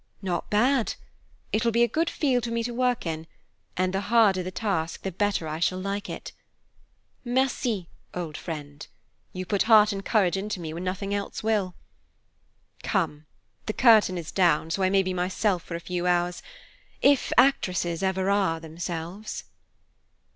"Not bad! It will be a good field for me to work in, and the harder the task the better I shall like it. Merci, old friend. You put heart and courage into me when nothing else will. Come, the curtain is down, so I may be myself for a few hours, if actresses ever are themselves."